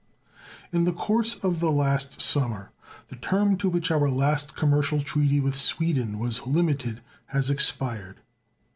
In the course of the last summer the term to which our last commercial treaty with Sweden was limited has expired.